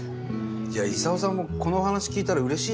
いや功さんもこの話聞いたらうれしいだろうな。